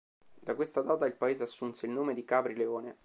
Da questa data il paese assunse il nome di “Capri Leone”.